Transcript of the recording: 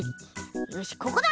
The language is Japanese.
よしここだ！